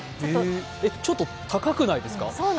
ちょっと高くないですか？